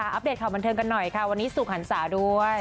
อัปเดตข่าวบันเทิงกันหน่อยค่ะวันนี้สุขหันศาด้วย